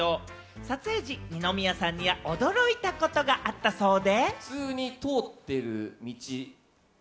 撮影時に二宮さんには驚いたことがあったそうで。